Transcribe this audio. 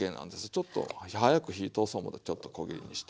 ちょっと早く火通そう思ってちょっとこぎれいにして。